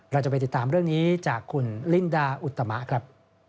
เราจะไปติดตามเรื่องนี้จากคุณลินดาอุตมะครับ